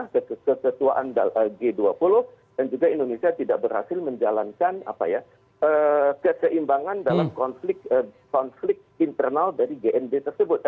kesetuaan g dua puluh dan juga indonesia tidak berhasil menjalankan keseimbangan dalam konflik internal dari g dua puluh tersebut